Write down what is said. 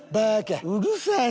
うるさい！